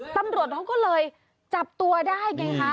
ตำรวจเขาก็เลยจับตัวได้ไงคะ